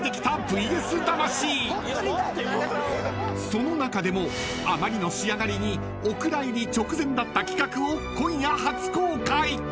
［その中でもあまりの仕上がりにお蔵入り直前だった企画を今夜初公開］